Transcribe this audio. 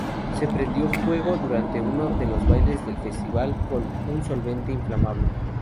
Se prendió fuego durante uno de los bailes del festival con un solvente inflamable.